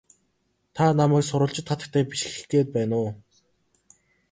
Та намайг сурвалжит хатагтай биш гэх гээд байна уу?